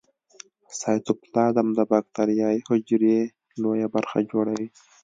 سایتوپلازم د باکتریايي حجرې لویه برخه جوړوي.